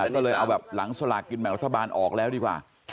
ก็เลยเอาแบบหลังสลากกินแบ่งรัฐบาลออกแล้วดีกว่า